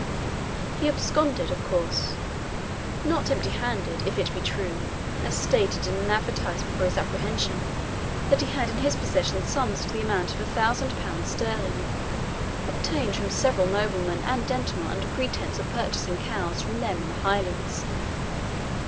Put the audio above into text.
He absconded, of course not empty handed, if it be true, as stated in an advertisement for his apprehension, that he had in his possession sums to the amount of L1000 sterling, obtained from several noblemen and gentlemen under pretence of purchasing cows for them in the Highlands.